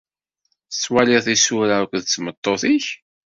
Tettwaliḍ isura akked tmeṭṭut-ik?